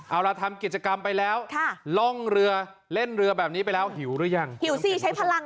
เอาล่ะทำกิจกรรมไปแล้วล่องเรือเล่นเรือแบบนี้ไปแล้วหิวหรือยังหิวสิใช้พลัง